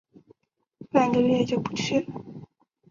半个月就不去了